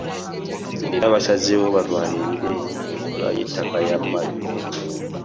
Era baasazeewo balwanirire enkola y'ettaka lya Mayiro